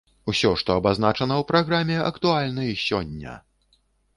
Усё, што абазначана ў праграме, актуальна і сёння!